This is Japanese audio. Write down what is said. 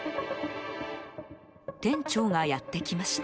店長がやってきました。